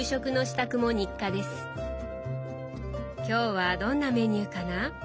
今日はどんなメニューかな？